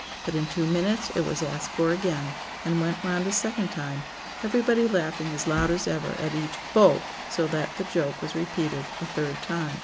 But in two minutes it was asked for again, and went round a second time; everybody laughing as loud as ever at each "Bo!" so that the joke was repeated a third time.